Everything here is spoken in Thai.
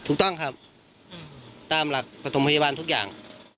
ถูกต้องครับตามหลักปฐมพยาบาลทุกอย่าง